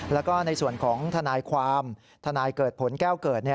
แล้วก็ในส่วนของทนายความทนายเกิดผลแก้วเกิด